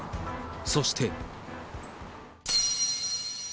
そして。